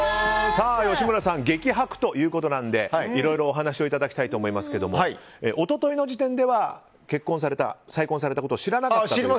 吉村さん激白ということなのでいろいろお話を頂きたいと思いますが一昨日の時点では再婚されたことを知らなかったと。